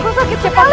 kepalaku sakit sekali